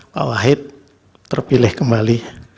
pak wahid terpilih kembali